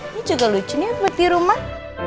ini juga lucu nih buat di rumah